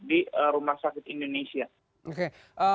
di rumah sakit indonesia